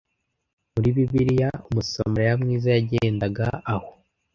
Muri Bibiliya Umusamariya mwiza yagendaga aho